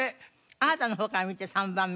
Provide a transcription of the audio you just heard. あなたの方から見て３番目。